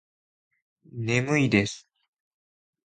眠いです